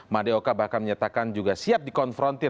madeo kamasagung bahkan menyatakan juga siap dikonfrontir